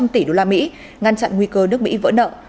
tỷ đô la mỹ ngăn chặn nguy cơ nước mỹ vỡ nợ